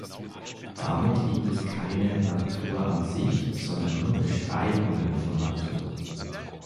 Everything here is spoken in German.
Damit gibt es keine „Natur an sich“, sondern nur "Beschreibungen" von Natur.